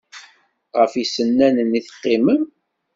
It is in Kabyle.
Ɣef yisennanen i teqqimem?